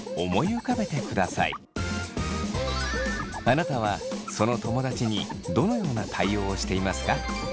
あなたはその友だちにどのような対応をしていますか。